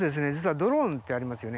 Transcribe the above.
ドローンってありますよね。